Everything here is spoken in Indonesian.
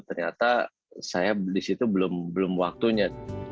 ternyata saya di situ belum waktunya